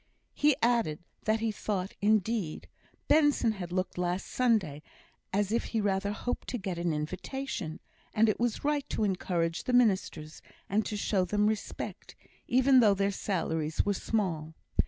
He added, that he thought, indeed, Benson had looked last Sunday as if he rather hoped to get an invitation; and it was right to encourage the ministers, and to show them respect, even though their salaries were small.